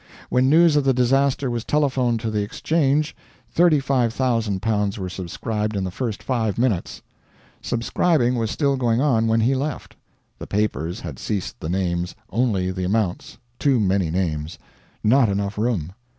When news of the disaster was telephoned to the Exchange L35,000 were subscribed in the first five minutes. Subscribing was still going on when he left; the papers had ceased the names, only the amounts too many names; not enough room.